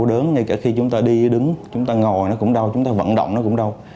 đau đớn ngay cả khi chúng ta đi đứng chúng ta ngồi nó cũng đau chúng ta vận động nó cũng đau